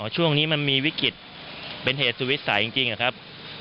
ช่วงนี้มันมีวิกฤตเป็นเหตุสุวิสัยจริงอะครับ